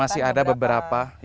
masih ada beberapa